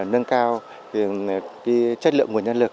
nâng cao chất lượng nguồn nhân lực